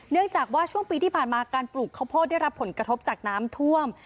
เนื่องจากว่าช่วงปีที่ผ่านมาการปลูกข้าวโพดได้รับผลกระทบจากน้ำท่วม